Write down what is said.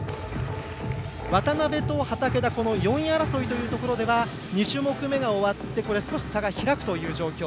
渡部と畠田４位争いというところでは２種目めが終わって少し差が開くという状況。